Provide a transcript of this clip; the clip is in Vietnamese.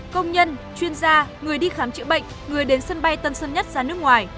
công nhân chuyên gia người đi khám trị bệnh người đến sân bay tân sân nhất ra nước ngoài